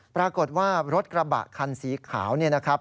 ปรากฏว่ารถกระบะคันสีขาวเนี่ยนะครับ